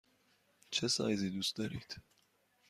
چه سایزی دوست دارید؟